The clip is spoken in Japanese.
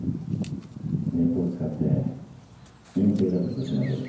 ネットを使って隠蔽だとぶちまける。